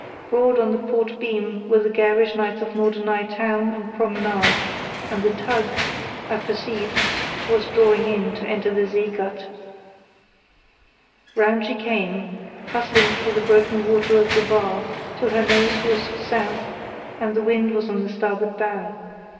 Broad on the port beam were the garish lights of Norderney town and promenade, and the tug, I perceived, was drawing in to enter the See Gat. [See Chart B.] Round she came, hustling through the broken water of the bar, till her nose was south and the wind was on the starboard bow.